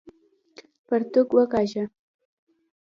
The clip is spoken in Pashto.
پرتوګ وکاږه!